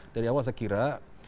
dari awal saya kira